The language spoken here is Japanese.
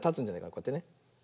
こうやってね。